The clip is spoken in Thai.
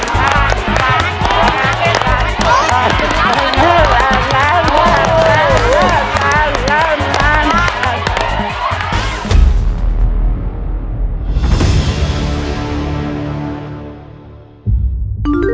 จะสำคัญนะครับ